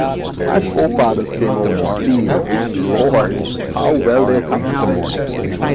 My forefathers came over to steal, and, lord! how well they accomplished it.